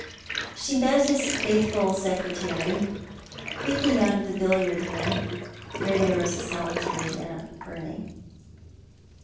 She met liis faithful secretary creeping out of the billiard room, where there was a solitary lamp burning.